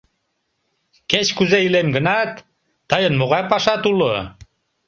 Кеч-кузе илем гынат, тыйын могай пашат уло?